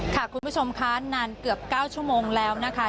คุณผู้ชมค่ะนานเกือบ๙ชั่วโมงแล้วนะคะ